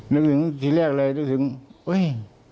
นึกถึงทีแรกเลยนึกถึงเฮ้ย